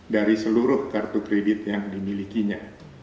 dari seluruh kartu kredit yang dimilikinya